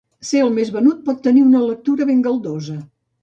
Ser el més venut pot tenir una lectura ben galdosa.